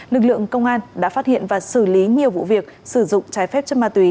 lực lượng công an đã phát hiện và xử lý nhiều vụ việc sử dụng chất ma túy